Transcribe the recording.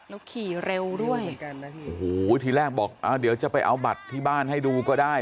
แล้วขี่เร็วด้วยโอ้โหทีแรกบอกอ่าเดี๋ยวจะไปเอาบัตรที่บ้านให้ดูก็ได้